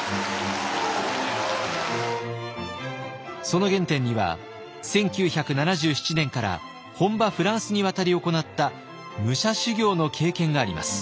その原点には１９７７年から本場フランスに渡り行った武者修行の経験があります。